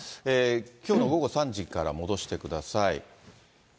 きょうの午後３時から戻してください。